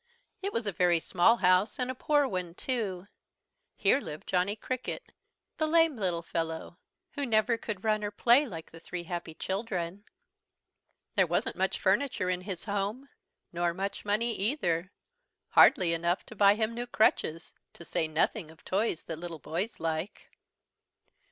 It was a very small house and a poor one too. Here lived Johnny Cricket, the lame little fellow, who never could run or play like the three happy children. There wasn't much furniture in his home, or much money either, hardly enough to buy him new crutches, to say nothing of toys that little boys like.